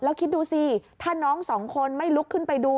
แล้วคิดดูสิถ้าน้องสองคนไม่ลุกขึ้นไปดู